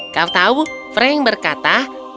kau tahu frank berkata